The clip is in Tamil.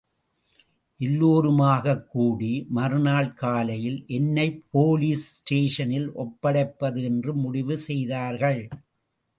எல்லோருமாகக் கூடி மறுநாள் காலையில் என்னைப் போலீஸ் ஸ்டேஷனில் ஒப்படைப்பது என்று முடிவு செய்தார்கள்.